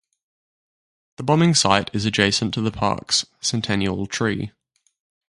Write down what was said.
The bombing site is adjacent to the Park's "Centennial Tree".